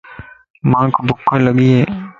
مانک بُکَ لڳي ائي